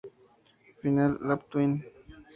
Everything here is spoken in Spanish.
Final Lap Twin